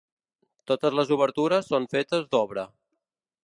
Totes les obertures són fetes d'obra.